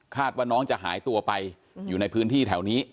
ว่าน้องจะหายตัวไปอยู่ในพื้นที่แถวนี้